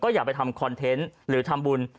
อย่าไปทำคอนเทนต์หรือทำบุญ